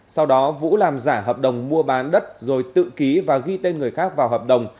sau đó vũ làm giả hợp đồng mua bán đất rồi tự ký và ghi tên người khác vào hợp đồng